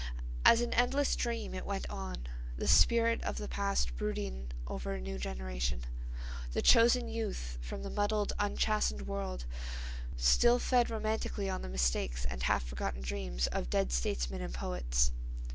As an endless dream it went on; the spirit of the past brooding over a new generation, the chosen youth from the muddled, unchastened world, still fed romantically on the mistakes and half forgotten dreams of dead statesmen and poets.